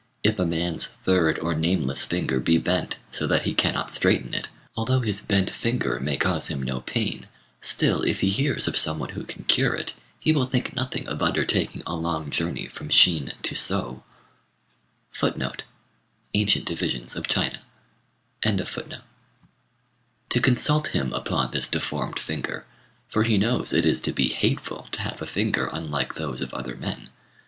If a man's third or nameless finger be bent, so that he cannot straighten it, although his bent finger may cause him no pain, still if he hears of some one who can cure it, he will think nothing of undertaking a long journey from Shin to So to consult him upon this deformed finger; for he knows it is to be hateful to have a finger unlike those of other men.